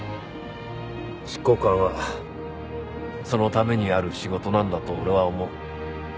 執行官はそのためにある仕事なんだと俺は思う。